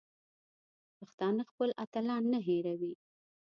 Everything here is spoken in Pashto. پښتانه خپل اتلان نه هېروي.